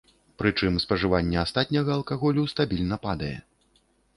Прычым, спажыванне астатняга алкаголю стабільна падае.